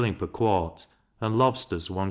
per quart; and lobsters 1s.